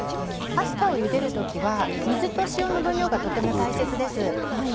パスタをゆでる時は水と塩の分量がとても大切です。